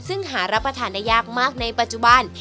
ซึ่งหารับประทานได้ยากมากในปัจจุบัน